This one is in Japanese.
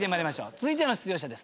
続いての出場者です。